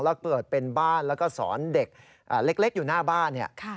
แล้วเปิดเป็นบ้านแล้วก็สอนเด็กเล็กอยู่หน้าบ้านเนี่ย